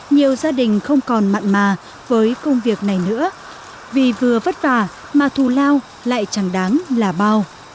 nhiều gia đình không còn mặn mà với công việc này nữa vì vừa vất vả mà thù lao lại chẳng đáng là bao